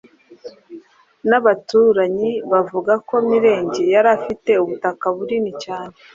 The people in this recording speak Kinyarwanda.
n’abaturanyi bavuga ko Mirenge yari afite ubutaka bunini cyane,